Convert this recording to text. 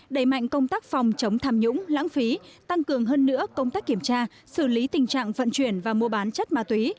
đẩy mạnh công tác phòng chống tham nhũng lãng phí tăng cường hơn nữa công tác kiểm tra xử lý tình trạng vận chuyển và mua bán chất ma túy